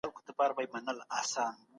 دغه نرمغالی چي دی، د جنګ دپاره هیڅ ګټه نلري.